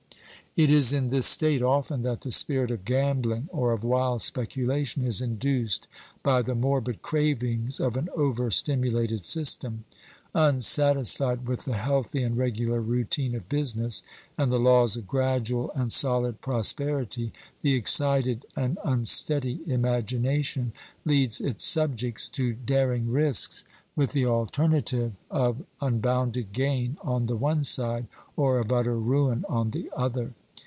It is in this state, often, that the spirit of gambling or of wild speculation is induced by the morbid cravings of an over stimulated system. Unsatisfied with the healthy and regular routine of business, and the laws of gradual and solid prosperity, the excited and unsteady imagination leads its subjects to daring risks, with the alternative of unbounded gain on the one side, or of utter ruin on the other.